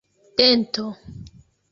dento